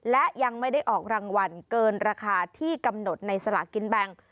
และยังไม่ได้ออกรางวัลเกินราคาที่กำหนดในสลากินแบ่ง